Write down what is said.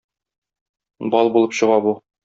Бал булып чыга бу.